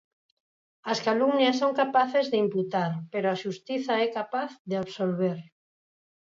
As calumnias son capaces de imputar, pero a xustiza é capaz de absolver.